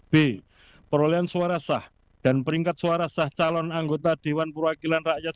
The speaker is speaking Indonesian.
b perolehan suara sah dan peringkat suara sah calon anggota dewan perwakilan rakyat